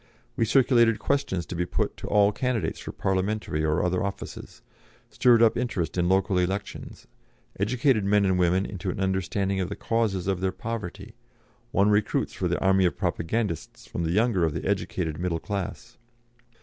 We circulated questions to be put to all candidates for parliamentary or other offices, stirred up interest in local elections, educated men and women into an understanding of the causes of their poverty, won recruits for the army of propagandists from the younger of the educated middle class.